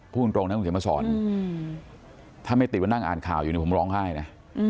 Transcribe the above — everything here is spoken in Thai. พูดตรงนะคุณเขียนมาสอนถ้าไม่ติดมานั่งอ่านข่าวอยู่นี่ผมร้องไห้นะ